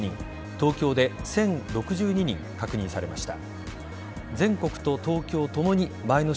東京で１０６２人確認されました。